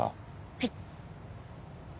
はい？